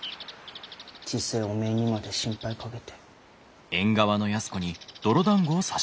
小せえおめえにまで心配かけて。